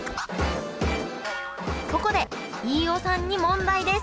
ここで飯尾さんに問題です！